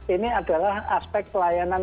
ini adalah aspek pelayanan